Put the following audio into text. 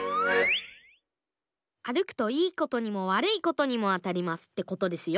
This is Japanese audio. あるくといいことにもわるいことにもあたりますってことですよ。